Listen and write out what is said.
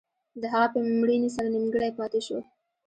د هغه په مړینې سره نیمګړی پاتې شو.